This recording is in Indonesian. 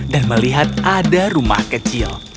dan melihat ada rumah kecil